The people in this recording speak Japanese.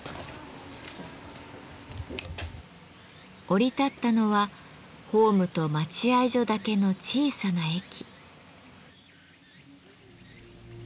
降り立ったのはホームと待ち合い所だけの小さな駅。